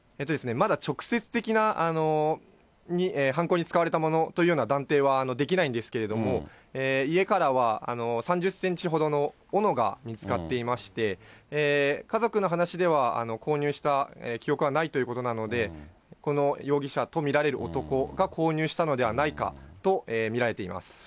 まだ直接的に犯行に使われたものというような断定はできないんですけれども、家からは３０センチほどのおのが見つかっていまして、家族の話では、購入した記憶はないということなので、この容疑者と見られる男が購入したのではないかと見られています。